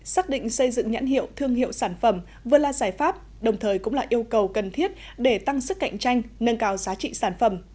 xác định xây dựng nhãn hiệu thương hiệu sản phẩm vừa là giải pháp đồng thời cũng là yêu cầu cần thiết để tăng sức cạnh tranh nâng cao giá trị sản phẩm